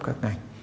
của các ngành